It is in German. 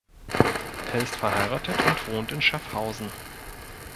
Er ist verheiratet und wohnt in Schaffhausen.